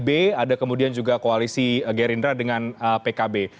ada kib ada kemudian juga koalisi gerindra dengan pkb